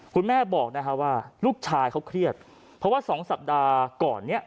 คุณแม่บอกนะฮะว่าลูกชายเขาเครียดเพราะว่าสองสัปดาห์ก่อนเนี่ย